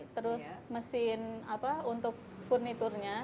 terus mesin untuk furniture nya